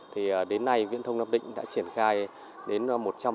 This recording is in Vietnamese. thì đến nay viễn thông nam định đã triển khai đến một trăm linh